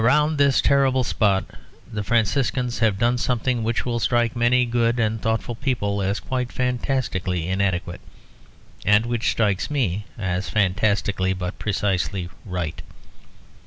Around this terrible spot the Franciscans have done something which will strike many good and thoughtful people as quite fantastically inadequate; and which strikes me as fantastically but precisely right.